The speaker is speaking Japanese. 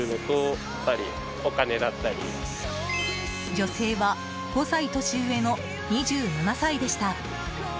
女性は５歳年上の２７歳でした。